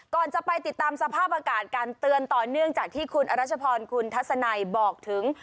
ก่อนจะไปติดตามสภาพอากาศการเตือนต่อเนื่องจากที่คุณอรัชพรคุณทัศนัยบอกถึง